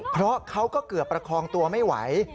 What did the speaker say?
เพราะเขาก็เกือบประคองตัวไม่ไหว